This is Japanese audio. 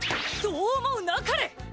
そう思うなかれ！